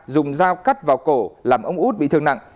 dùng dao cắt vào cổ làm ông út bị thương nặng